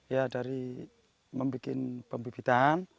ya dari membuat pembibitan